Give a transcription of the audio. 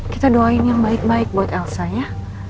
kita doain yang baik baik buat elsa ya